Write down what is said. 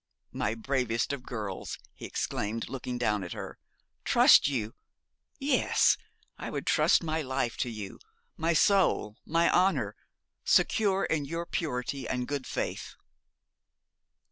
'My bravest of girls,' he exclaimed, looking down at her. 'Trust you! Yes, I would trust my life to you my soul my honour secure in your purity and good faith.'